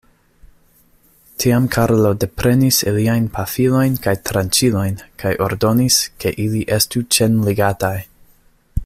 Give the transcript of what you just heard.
Tiam Karlo deprenis iliajn pafilojn kaj tranĉilojn, kaj ordonis, ke ili estu ĉenligataj.